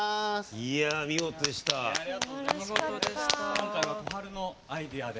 今回は小春のアイデアで。